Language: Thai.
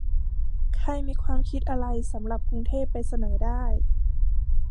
ใครมีความคิดอะไรสำหรับกรุงเทพ ไปเสนอได้